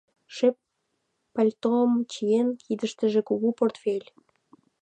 Шем пальтом чиен, кидыштыже — кугу портфель.